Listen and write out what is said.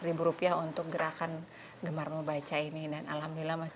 ini adalah gerakan untuk gerakan gemar membaca ini